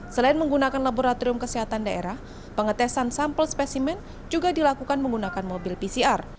selain menggunakan laboratorium kesehatan daerah pengetesan sampel spesimen juga dilakukan menggunakan mobil pcr